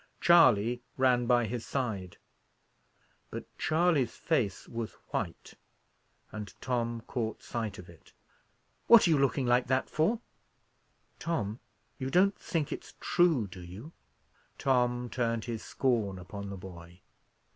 Charley ran by his side. But Charley's face was white, and Tom caught sight of it. "What are you looking like that for?" "Tom! you don't think it's true, do you?" Tom turned his scorn upon the boy.